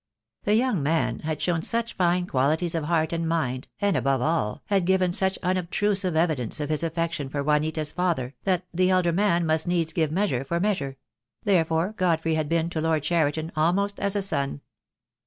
The young man had shown such fine qualities of heart and mind, and, above all, had given such unobtrusive evidence of his affection for Juanita's father, that the elder man must needs give measure for measure; therefore Godfrey had been to Lord Cheriton almost as a son.